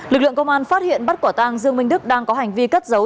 lực lượng công an phát hiện bắt quả tang dương minh đức đang có hành vi cất giấu